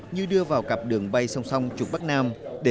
như đưa vào cặp đường bay song song trục bắc nam